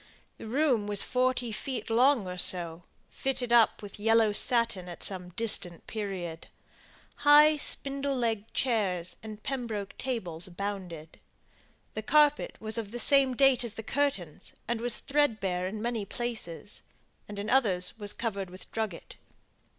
The room was forty feet long or so, fitted up with yellow satin at some distant period; high spindle legged chairs and pembroke tables abounded. The carpet was of the same date as the curtains, and was thread bare in many places; and in others was covered with drugget.